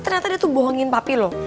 ternyata dia tuh bohongin papi loh